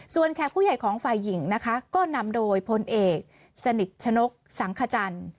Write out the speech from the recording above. ส่วนแขกผู้ใหญ่ของฝ่ายหญิงนะคะก็นำโดยพลเอกสนิทชนกสังขจันทร์